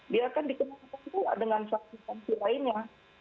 dia akan dikenakan juga dengan saksi saksi lainnya